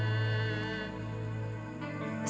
tete mau ke rumah